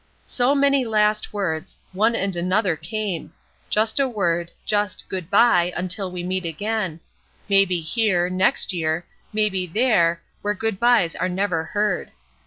So many last words one and another came just a word, just "good bye," until we meet again; maybe here, next year, maybe there, where good byes are never heard.